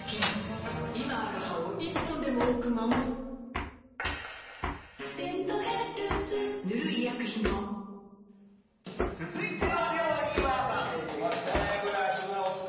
今ある歯を１本でも多く守る「デントヘルス」塗る医薬品も続いての料理は。